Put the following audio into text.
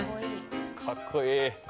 かっこいい。